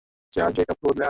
যা গিয়ে কাপড় বদলে আয়।